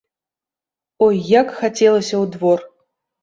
Ой, як хацелася ў двор!